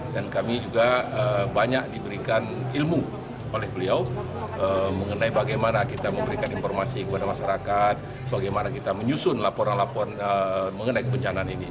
dan kami juga banyak diberikan ilmu oleh beliau mengenai bagaimana kita memberikan informasi kepada masyarakat bagaimana kita menyusun laporan laporan mengenai kebencanaan ini